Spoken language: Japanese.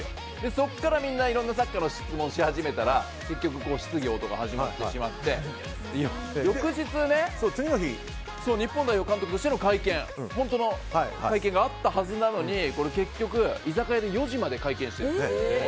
そこからみんなサッカーの質問をし始めたら質疑応答が始まってしまって翌日、日本代表監督としての本当の会見があったはずなのに結局、居酒屋で４時まで会見してたの。